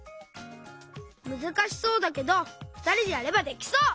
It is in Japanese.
むずかしそうだけどふたりでやればできそう！